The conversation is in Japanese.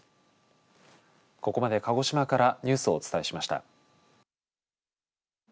ここまで鹿児島からニュースをお伝えしました。